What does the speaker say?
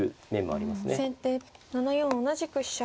先手７四同じく飛車。